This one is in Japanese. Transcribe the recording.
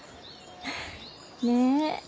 ねえ！